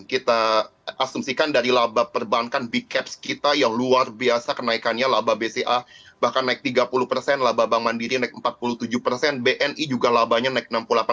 kita asumsikan dari laba perbankan bcaps kita yang luar biasa kenaikannya laba bca bahkan naik tiga puluh persen laba bank mandiri naik empat puluh tujuh persen bni juga labanya naik enam puluh delapan